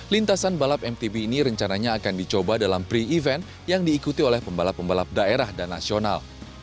lintasan balap mtb ini rencananya akan dicoba dalam pre event yang diikuti oleh pembalap pembalap daerah dan nasional